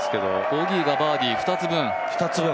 ボギーがバーディー２つ分。